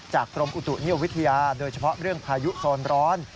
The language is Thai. กรมอุตุนิยมวิทยาโดยเฉพาะเรื่องพายุโซนร้อน